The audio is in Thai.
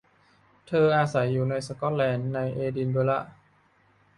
เธออาศัยอยู่ในสก๊อตแลนด์ ในเอดินเบอระ